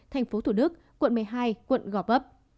tp thủ đức quận một mươi hai quận gò vấp